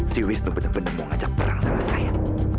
si wisnu benar benar mau ngajak perang sama saya